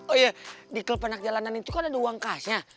oh iya di kelepanak jalanan itu kan ada uang kasnya